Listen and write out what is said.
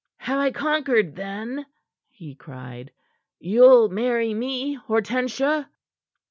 "Have I conquered, then?" he cried. "You'll marry me, Hortensia?"